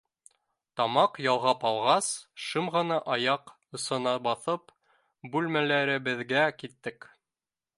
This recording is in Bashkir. Тамаҡ ялғап алғас, шым ғына аяҡ осона баҫып, бүлмәләребеҙгә киттек.